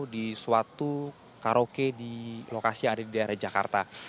di suatu karaoke di lokasi yang ada di daerah jakarta